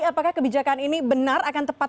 apakah kebijakan ini benar akan tepat